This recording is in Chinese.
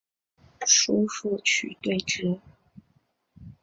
叔父瞿兑之。